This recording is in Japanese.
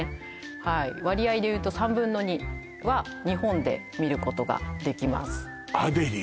はい割合で言うと３分の２は日本で見ることができます